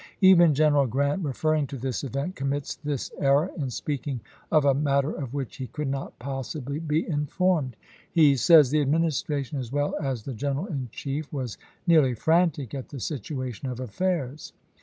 Even General Grant, referring to this event, commits this error in speaking of a matter of which he could not possibly be informed. He CHICKAMAUGA 109 says :" The Administration, as well as the G eneral chap. iv. in Chief, was nearly frantic at the situation of Grant. '. 1 1 T • "Personal affairs."